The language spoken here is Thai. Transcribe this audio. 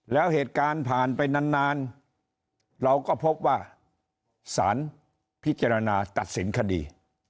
แล้วเหตุการณ์ผ่านไปนานเราก็พบว่าสารพิจารณาตัดสินคดี